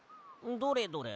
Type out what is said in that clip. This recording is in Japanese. どれどれ？